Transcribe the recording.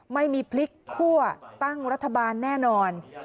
ไม่มีพลิกคั่วตั้งรัฐบาลแน่นอน